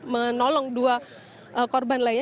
menolong dua korban lainnya